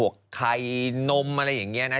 ไข่นมอะไรอย่างนี้นะ